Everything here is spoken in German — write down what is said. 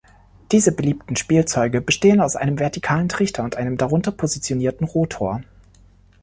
Diese beliebten Spielzeuge bestehen aus einem vertikalen Trichter und einem darunter positionierten Rotor.